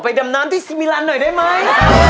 ขอไปดำน้ำสีสีมิรันดักหน่อยได้มั้ย